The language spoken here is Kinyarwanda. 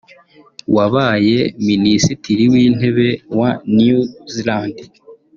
wabaye Minisitiri w’Intebe wa New Zealand